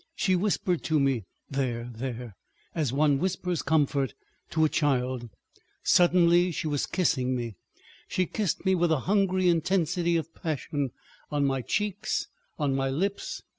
She whispered to me, "There, there!" as one whispers comfort to a child. ... Suddenly she was kissing me. She kissed me with a hungry intensity of passion, on my cheeks, on my lips.